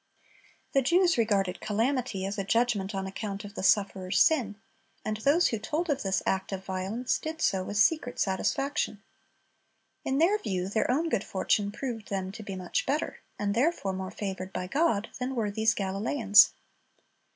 The Jews regarded calamity as a judgment on account of the sufferer's sin, and those who told of this act of violence did so with secret satisfaction. In their view their own good fortune proved them to be much better, and therefore more favored by God, than were these Galileans.